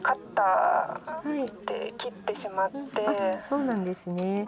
あっそうなんですね。